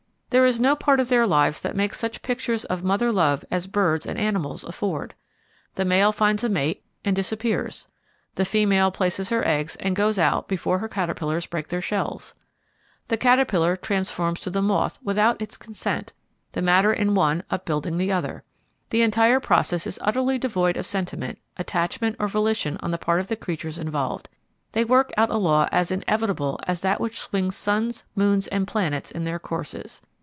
There is no part of their lives that makes such pictures of mother love as birds and animals afford. The male finds a mate and disappears. The female places her eggs and goes out before her caterpillars break their shells. The caterpillar transforms to the moth without its consent, the matter in one upbuilding the other. The entire process is utterly devoid of sentiment, attachment or volition on the part of the creatures involved. They work out a law as inevitable as that which swings suns, moons, and planets in their courses.